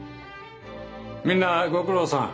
みんなご苦労さん。